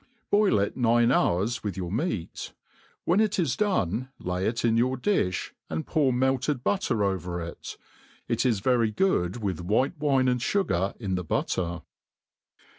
Boil it nine hours with your meat ; when it is done, lay it in your difli, and pour melted buttet over i^. It is very good wiih white wine and fugar in the butter.